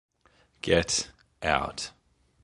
Get out!